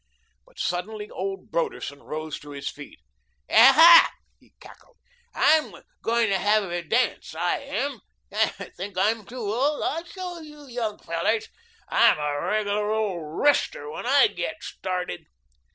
But suddenly old Broderson rose to his feet. "Aha," he cackled, "I'M going to have a dance, I am. Think I'm too old? I'll show you young fellows. I'm a regular old ROOSTER when I get started."